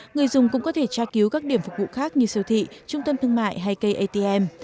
người dùng cũng có thể tra cứu các điểm phục vụ khác như siêu thị trung tâm thương mại hay cây atm